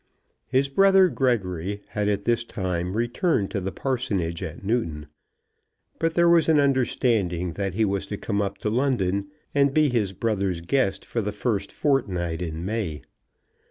His brother Gregory had at this time returned to the parsonage at Newton; but there was an understanding that he was to come up to London and be his brother's guest for the first fortnight in May.